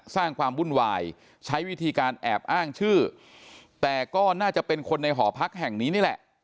สร้างความวุ่นวายใช้วิธีการแอบอ้างชื่อแต่ก็น่าจะเป็นคนในหอพักแห่งนี้นี่แหละ